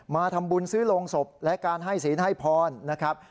มาทำบุญซื้อโรงศพและการให้ศีลให้พรนะครับ